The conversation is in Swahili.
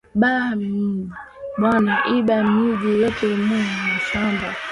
Ba mwiji bana iba minji yote mu mashamba